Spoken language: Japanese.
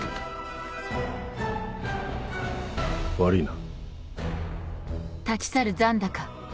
悪いな。